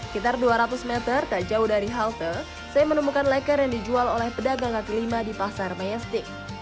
kitar dua ratus meter tak jauh dari halte saya menemukan leker yang dijual oleh pedagang kaki lima di pasar majestik